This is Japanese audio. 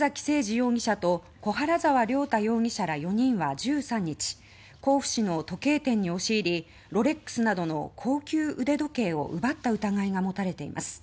容疑者と小原澤亮太容疑者ら４人は１３日甲府市の時計店に押し入りロレックスなどの高級腕時計を奪った疑いが持たれています。